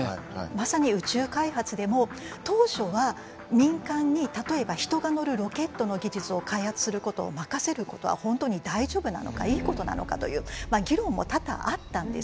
まさに宇宙開発でも当初は民間に例えば人が乗るロケットの技術を開発することを任せることは本当に大丈夫なのかいいことなのかという議論も多々あったんですね。